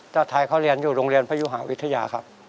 เจ้าไทยเขาเรียนอยู่โรงเรียนพยุหาวิทยาครับ